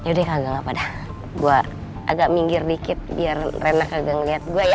hei yaudah kagak apa dah gue agak minggir dikit biar rena kagak ngeliat gue ya